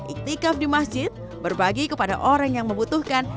iktikaf di masjid berbagi kepada orang yang membutuhkan